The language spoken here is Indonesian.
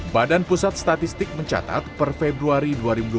badan pusat statistik mencatat per februari dua ribu dua puluh